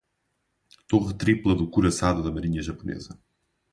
Torre tripla do couraçado da marinha japonesa